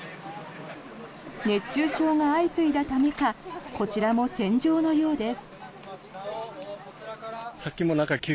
熱中症が相次いだためかこちらも戦場のようです。